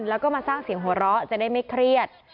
แล้วก็มาสร้างเสียงหัวเราะจะได้ไม่เครียด